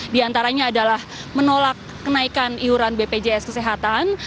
di antaranya adalah menolak kenaikan iuran bpjs kesehatan